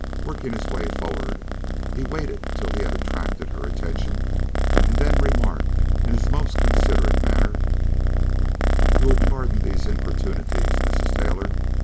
Working his way forward, he waited till he had attracted her attention and then remarked in his most considerate manner: "You will pardon these importunities, Mrs. Taylor.